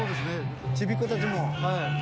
ちびっ子たちも。